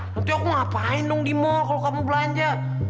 nanti aku ngapain dong di mall kalau kamu belanja